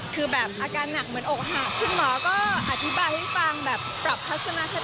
คือแบบอาการหนักเหมือนอกหักคุณหมอก็อธิบายให้ฟังแบบปรับพัฒนาคติก็ยังไม่ดีขึ้น